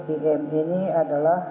iem ini adalah